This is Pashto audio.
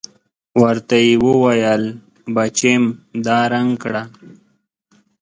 ورته يې وويل بچېم دا رنګ کړه.